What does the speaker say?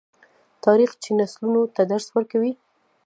تاریخ چې نسلونو ته درس ورکوي.